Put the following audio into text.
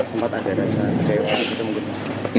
sempat ada rasa jayokan gitu mungkin